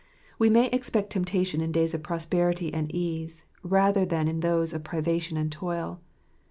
.We may expect temptation in days of prosperity and ease rather than in those of privation and toil.